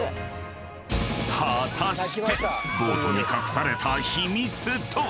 ［果たしてボートに隠された秘密とは？］